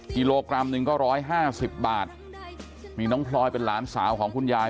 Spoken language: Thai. กิโลกรัมหนึ่งก็ร้อยห้าสิบบาทนี่น้องพลอยเป็นหลานสาวของคุณยาย